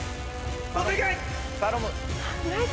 お願い！